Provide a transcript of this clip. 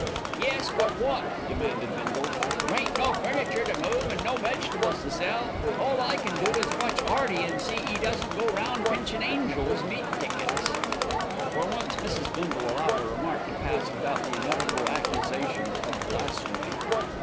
"Yes, but wot?" demanded Bindle. "There ain't no furniture to move an' no vegetables to sell. All I can do is to watch 'Earty, an' see 'e don't go round pinchin' angels' meat tickets." For once Mrs. Bindle allowed a remark to pass without the inevitable accusation of blasphemy!